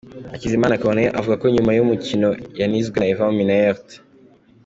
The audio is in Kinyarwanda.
Hakizimana Corneille avuga ko nyuma y'umukino yanizwe na Ivan Minaert.